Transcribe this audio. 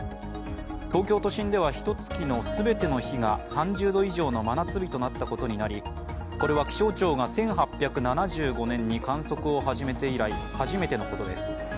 東京都心ではひと月の全ての日が３０度以上の真夏日となったことになり、これは気象庁が１８７５年に観測を始めて以来初めてのことです。